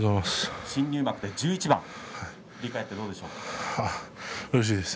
新入幕１１番、振り返ってどうですか。